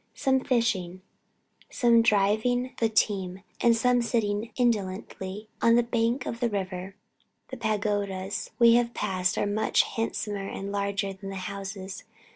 some fishing, some driving the team, and some sitting indolently on the bank of the river. The pagodas we have passed are much handsomer and larger than the houses.